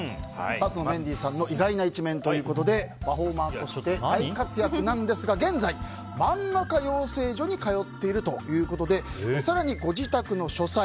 メンディーさんの意外な一面ということでパフォーマーとして大活躍なんですが現在、漫画家養成所に通っているということで更にご自宅の書斎